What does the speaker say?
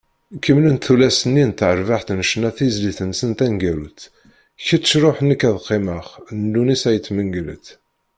Kemmlent-d tullas-nni n terbaɛt n ccna tizlit-nsent taneggarut “Kečč ruḥ, nekk ad qqimeɣ” n Lewnis At Mengellat.